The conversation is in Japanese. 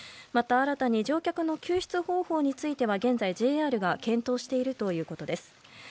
また、新たに乗客の救出方法については現在、ＪＲが検討しているということです。